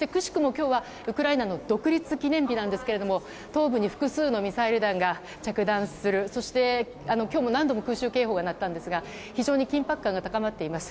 今日はウクライナの独立記念日なんですが東部に複数のミサイル弾が着弾するそして、今日も何度も空襲警報が鳴ったんですが非常に緊迫感が高まっています。